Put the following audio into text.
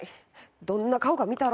どんな顔か見たろ。